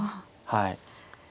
はい。